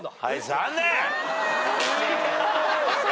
残念！